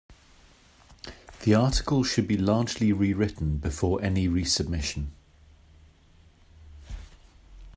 The article should be largely rewritten before any resubmission.